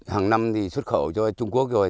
hằng năm thì xuất khẩu cho trung quốc rồi